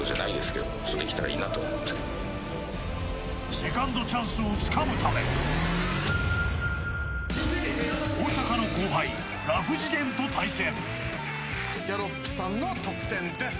セカンドチャンスをつかむため大阪の後輩、ラフ次元と対戦。